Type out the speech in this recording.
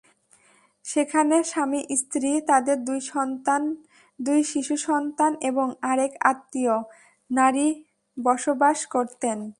সেখানে স্বামী-স্ত্রী, তাঁদের দুই শিশুসন্তান এবং আরেক আত্মীয় নারী বসবাস করতেন।